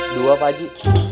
dua pak haji